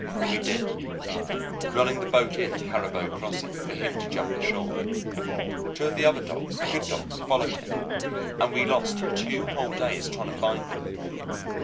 We did, running the boat in at Caribou Crossing for him to jump ashore. Two of the other dogs, good dogs, followed him; and we lost two whole days trying to find them.